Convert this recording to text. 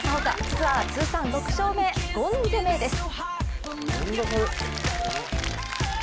ツアー通算６勝目、へゴン攻めです。